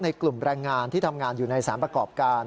กลุ่มแรงงานที่ทำงานอยู่ในสารประกอบการ